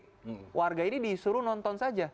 tidak ada yang bisa diharuskan